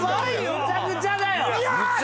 むちゃくちゃだよ！